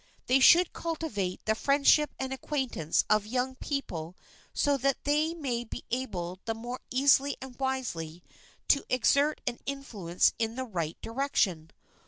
They should cultivate the friendship and acquaintance of young people so that they may be able the more easily and wisely to exert an influence in the right direction.